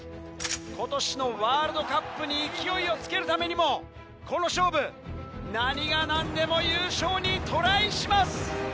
今年のワールドカップに勢いをつけるためにもこの勝負何が何でも優勝にトライします。